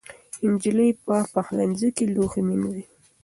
نجلۍ په پخلنځي کې لوښي مینځي.